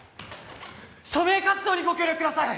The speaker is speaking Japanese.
署名活動にご協力ください！